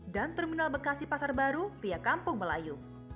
terminal bekasi pasar baru via kampung melayu